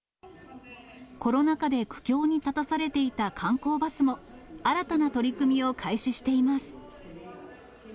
コロナ禍で苦境に立たされていた観光バスも、新たな取り組みを開始しています。